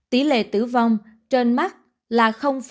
tỷ lệ tử vong trên mắc là một mươi năm